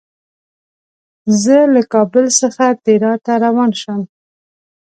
زه له کابل څخه تیراه ته روان شوم.